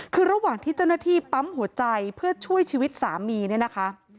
คือระหว่างที่เจ้าหน้าที่ปั๊มหัวใจเพื่อช่วยชีวิตสามีเนี่ยนะคะ